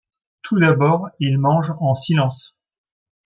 Tout d'abord ils mangent en silence.